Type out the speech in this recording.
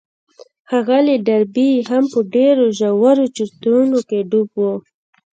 ښاغلی ډاربي هم په ډېرو ژورو چورتونو کې ډوب و.